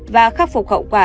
và khắc phục hậu quả